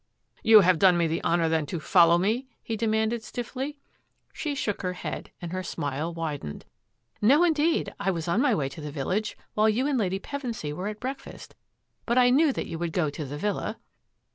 " You have done me the honour, then, to follow me? " he demanded stiflSy. She shook her head and her smile widened. " No, indeed. I was on my way to the village while you and Lady Pevensy were at breakfast, but I knew that you would go to the villa."